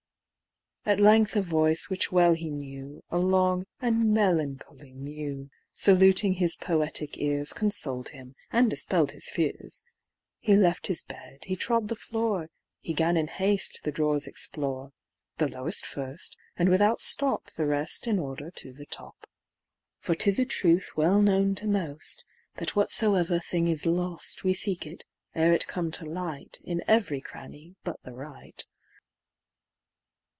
At length a voice which well he knew, A long and melancholy mew, Saluting his poetic ears, Consoled him and dispell'd his fears: He left his bed, he trod the floor, He 'gan in haste the drawers explore, The lowest first, and without stop The rest in order to the top. For 'tis a truth well known to most, That whatsoever thing is lost, We seek it, ere it come to light, In every cranny but the right.